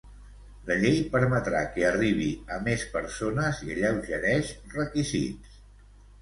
La llei permetrà que arribi a més persones i alleugereix requisits.